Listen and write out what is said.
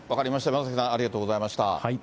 山崎さん、ありがとうございました。